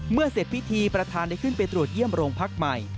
เสร็จพิธีประธานได้ขึ้นไปตรวจเยี่ยมโรงพักใหม่